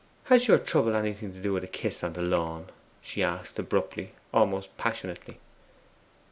'Has your trouble anything to do with a kiss on the lawn?' she asked abruptly, almost passionately.